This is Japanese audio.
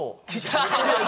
ハハハハ！